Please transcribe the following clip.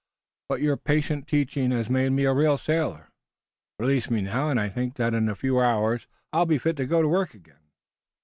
But your patient teaching has made me a real sailor. Release me now, and I think that in a few hours I will be fit to go to work again."